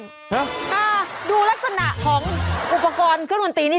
ถ้าดูลักษณะของเครื่องดูนตรี่มันมีมาก